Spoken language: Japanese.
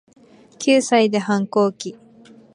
九歳で反抗期